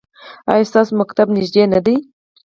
ایا ستاسو مکتب نږدې نه دی؟